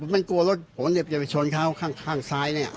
มันกลัวรถชนเขาข้างซ้าย